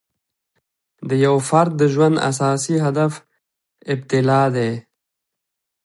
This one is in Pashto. د یو فرد د ژوند اساسي هدف ابتلأ دی.